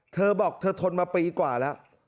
เธอบอกเธอทนมาปีกว่าแล้ว